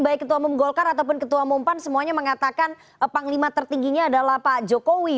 baik ketua umum golkar ataupun ketua umum pan semuanya mengatakan panglima tertingginya adalah pak jokowi